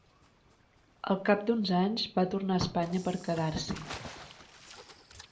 El cap d’uns anys, va tornar a Espanya per quedar-s’hi.